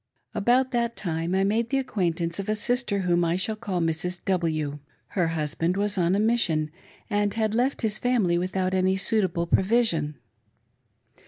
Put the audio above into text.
About that time, I made the acquaintance of a sister whom I shall call Mrs. W . Her husband was on mission and 494 A ABSENT husband's "KINGDOM." had left his family without any suitable provision.